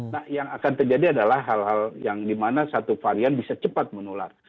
nah yang akan terjadi adalah hal hal yang dimana satu varian bisa cepat menular